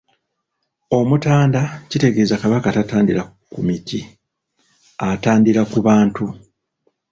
Omutanda kitegeeza Kabaka tatandira ku miti, atandira ku bantu.